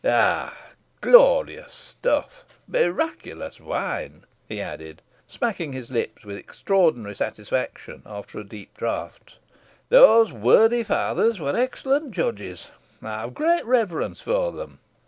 Ah! glorious stuff miraculous wine!" he added, smacking his lips with extraordinary satisfaction after a deep draught; "those worthy fathers were excellent judges. I have a great reverence for them.